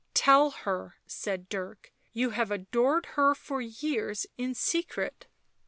" Tell her," said Dirk, " you have adored her for years in secret."